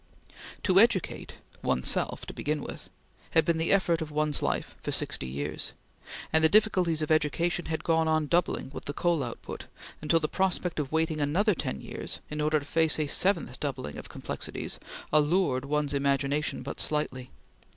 To educate one's self to begin with had been the effort of one's life for sixty years; and the difficulties of education had gone on doubling with the coal output, until the prospect of waiting another ten years, in order to face a seventh doubling of complexities, allured one's imagination but slightly.